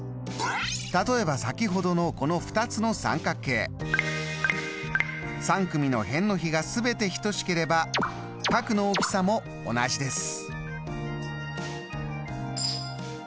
例えば先ほどのこの２つの三角形３組の辺の比がすべて等しければ角の大きさも同じです。